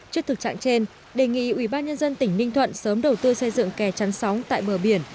trước thực trạng trên đề nghị ubnd tỉnh ninh thuận sớm đầu tư xây dựng kè chắn sóng tại bờ biển